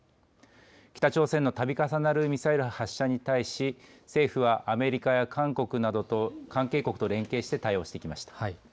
北朝鮮のたび重なるミサイル発射に対し、政府はアメリカや韓国などと、関係国と連携して対応してきました。